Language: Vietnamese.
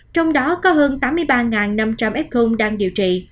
trong đó có hơn tám mươi ba năm trăm linh f đang điều trị